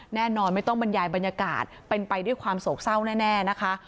แน่นอนไม่ต้องบรรยายบรรยากาศเป็นไปด้วยความโศกเศร้าแน่นะคะ